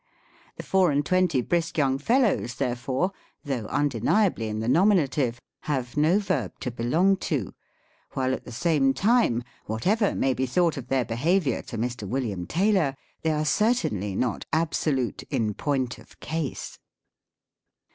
The four and twenty brisk young fellows, therefore, though undenia bly in the nominative, have no verb to belong to : while, at the same time, whatever may be thought of their behavior to Mr. William Taylor, they are certainly not absolute in point of ease.